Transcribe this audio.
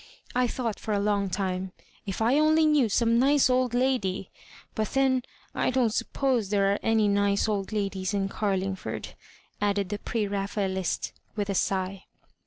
I thought for a long time, if I only knew some nice old lady; but then t don't suppose there are any nice old ladies in Carlingford," added the Prera phaelist, with a sigh.